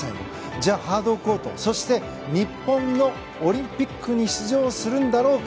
じゃあ、ハードコートそして日本のオリンピックに出場するんだろうか？